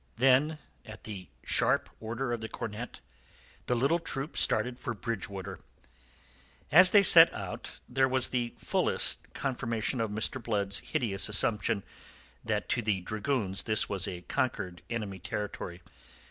Then at the sharp order of the cornet, the little troop started for Bridgewater. As they set out there was the fullest confirmation of Mr. Blood's hideous assumption that to the dragoons this was a conquered enemy country.